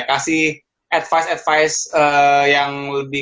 kasih advice advice yang lebih